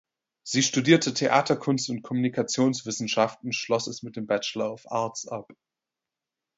Sie studierte Theaterkunst und Kommunikationswissenschaft und schloss es mit dem Bachelor of Arts ab.